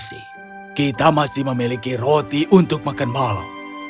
masih kita masih memiliki roti untuk makan malam